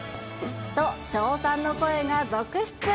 と、称賛の声が続出。